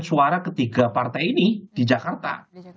suara ketiga partai ini di jakarta